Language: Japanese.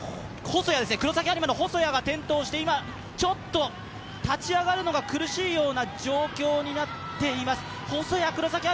黒崎播磨の細谷が転倒をして、今、ちょっと立ち上がるのが苦しいような状況になっています。